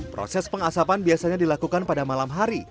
proses pengasapan biasanya dilakukan pada malam hari